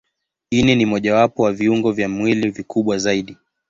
Ini ni mojawapo wa viungo vya mwili vikubwa zaidi.